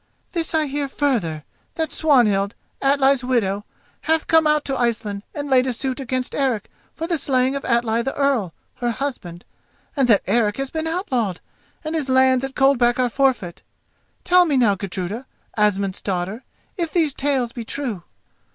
This I hear, further: that Swanhild, Atli's widow, hath come out to Iceland and laid a suit against Eric for the slaying of Atli the Earl, her husband, and that Eric has been outlawed and his lands at Coldback are forfeit. Tell me now, Gudruda, Asmund's daughter, if these tales be true?"